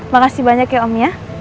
makasih banyak ya om ya